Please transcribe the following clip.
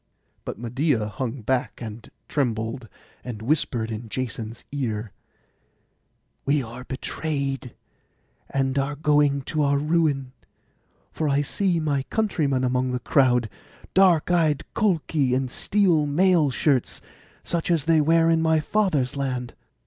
But Medeia hung back, and trembled, and whispered in Jason's ear, 'We are betrayed, and are going to our ruin, for I see my countrymen among the crowd; dark eyed Colchi in steel mail shirts, such as they wear in my father's land.